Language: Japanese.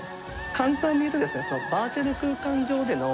簡単に言うとですね。